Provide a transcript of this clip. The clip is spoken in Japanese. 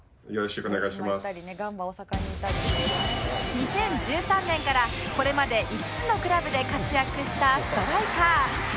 ２０１３年からこれまで５つのクラブで活躍したストライカー